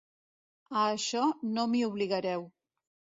A això no m'hi obligareu.